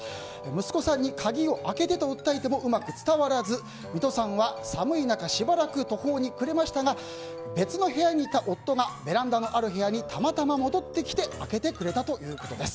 息子さんに鍵を開けてと訴えてもうまく伝わらず水戸さんは寒い中しばらく途方に暮れましたが別の部屋にいた夫がベランダのある部屋にたまたま戻ってきて開けてくれたということです。